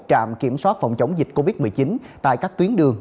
trạm kiểm soát phòng chống dịch covid một mươi chín tại các tuyến đường